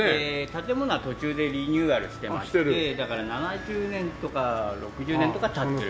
建物は途中でリニューアルしてましてだから７０年とか６０年とか経ってる。